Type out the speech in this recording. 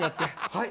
はい。